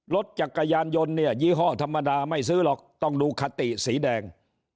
รถจักรยานยนต์เนี่ยยี่ห้อธรรมดาไม่ซื้อหรอกต้องดูคติสีแดง